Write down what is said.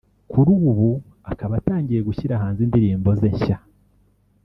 kuri ubu akaba atangiye gushyira hanze indirimbo ze nshya